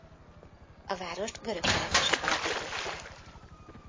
A várost görög telepesek alapították.